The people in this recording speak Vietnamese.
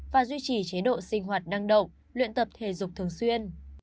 và duy trì chế độ sinh hoạt năng động luyện tập thể dục thường xuyên